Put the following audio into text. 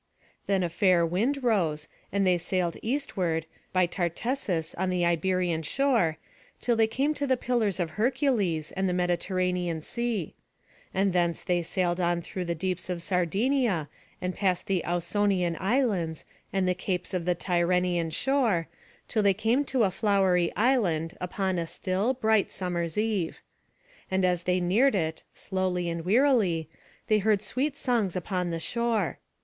Then a fair wind rose, and they sailed eastward, by Tartessus on the Iberian shore, till they came to the Pillars of Hercules, and the Mediterranean Sea. And thence they sailed on through the deeps of Sardinia, and past the Ausonian Islands, and the capes of the Tyrrhenian shore, till they came to a flowery island, upon a still, bright summer's eve. And as they neared it, slowly and wearily, they heard sweet songs upon the shore.